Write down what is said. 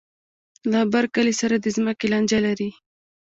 له بر کلي سره د ځمکې لانجه لري.